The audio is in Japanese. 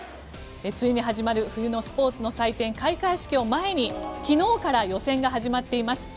ついに始まる冬のスポーツの祭典開会式を前に昨日から予選が始まっています